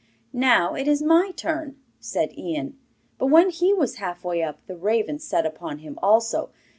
'Now it is my turn,' said Ian. But when he was halfway up the raven set upon him also.